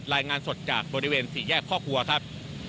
รายงานสดจากบริเวณสี่แยกข้อครัวครับ